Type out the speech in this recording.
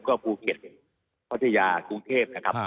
ก็ภูเก็ตพัทยากรุงเทพนะครับ